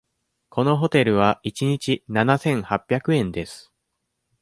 このホテルは一日七千八百円です。